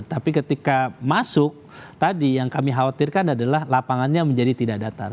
tapi ketika masuk tadi yang kami khawatirkan adalah lapangannya menjadi tidak datar